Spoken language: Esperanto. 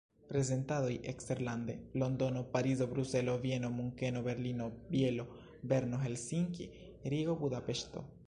Prezentadoj eksterlande: Londono, Parizo, Bruselo, Vieno, Munkeno, Berlino, Bielo, Berno, Helsinki, Rigo, Budapeŝto.